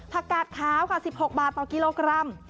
กาดขาวค่ะ๑๖บาทต่อกิโลกรัม